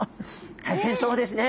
大変そうですね。